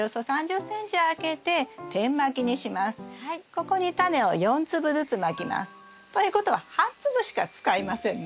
ここにタネを４粒ずつまきます。ということは８粒しか使いませんね。